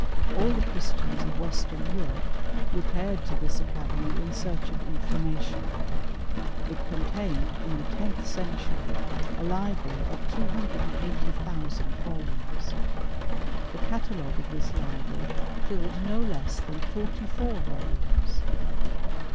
All the Christians of Western Europe re* paired to this academy in search of information. It contained, in the tenth century, a library of 280,000 volumes. The catalogue of this library filled no less than forty four volumes.